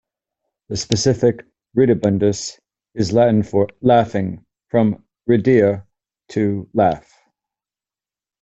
The specific "ridibundus" is Latin for "laughing", from "ridere" "to laugh".